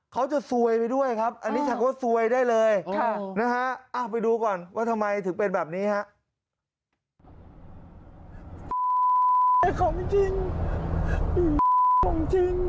เป็นของจริงเป็นของจริง